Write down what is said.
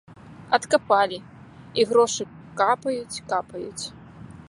Адкапалі, і грошы капаюць, капаюць.